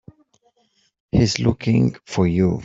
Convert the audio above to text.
He's looking for you.